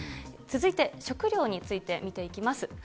続いて、食料について見ていきます。